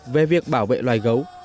về việc bảo vệ loài gấu